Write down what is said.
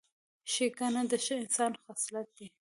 ښېګڼه د ښه انسان خصلت دی.